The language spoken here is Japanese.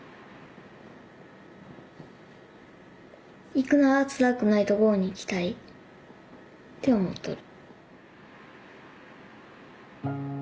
行くならつらくないところに行きたいって思っとる。